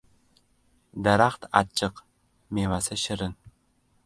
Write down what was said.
• Daraxt ― achchiq, mevasi ― shirin.